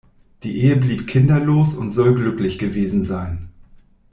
Die Ehe blieb kinderlos und soll glücklich gewesen sein.